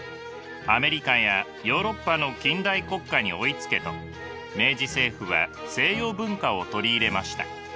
アメリカやヨーロッパの近代国家に追いつけと明治政府は西洋文化を取り入れました。